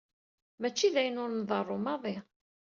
Mačči d ayen ur d-nḍerru maḍi.